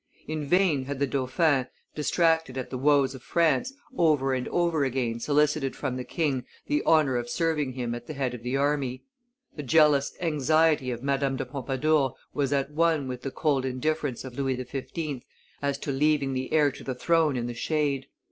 In vain had the dauphin, distracted at the woes of France, over and over again solicited from the king the honor of serving him at the head of the army; the jealous anxiety of Madame de Pompadour was at one with the cold indifference of Louis XV. as to leaving the heir to the throne in the shade.